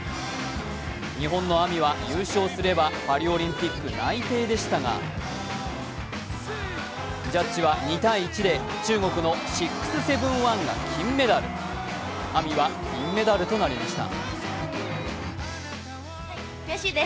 日本のＡＭＩは優勝すればパリオリンピック内定でしたが、ジャッジは２−１で中国の６７１が金メダル、ＡＭＩは銀メダルとなりました。